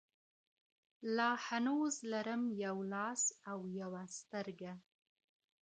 لا هنوز لرم يو لاس او يوه سترگه